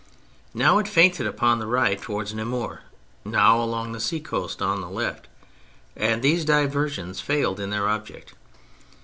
Now it feinted upon the right towards Namur, now along the sea coast on the left; and these diversions failed in their object.